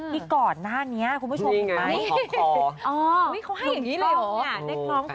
ที่ก่อนหน้านี้คุณผู้ชมมีไหมมีไงน้องคอ